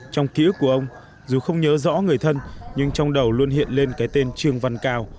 trong ký ức của ông dù không nhớ rõ người thân nhưng trong đầu luôn hiện lên cái tên trương văn cao